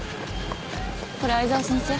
これ藍沢先生？